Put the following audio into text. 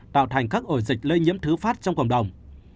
tạo thành các ổ dịch lây nhiễm thứ phát trong cộng đồng